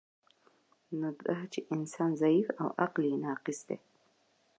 نو دا چی انسان ضعیف او عقل یی ناقص دی